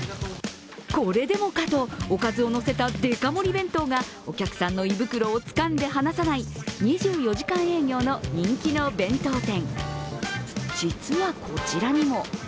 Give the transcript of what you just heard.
これでもかとおかずをのせたデカ盛り弁当がお客さんの胃袋をつかんで離さない２４時間営業の人気の弁当店。